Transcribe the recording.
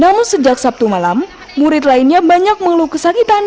namun sejak sabtu malam murid lainnya banyak mengeluh kesakitan